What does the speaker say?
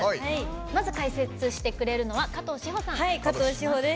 まず、解説してくれるのは加藤史帆さん。